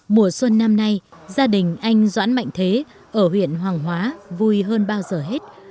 mùa xuân năm nay gia đình anh doãn mạnh thế ở huyện hoàng hóa vui hơn bao giờ hết